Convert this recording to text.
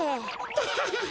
タハハハ。